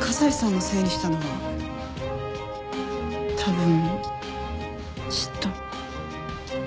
加西さんのせいにしたのは多分嫉妬。